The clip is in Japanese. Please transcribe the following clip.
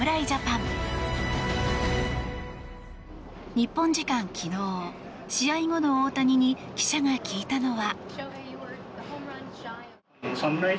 日本時間昨日、試合後の大谷に記者が聞いたのは。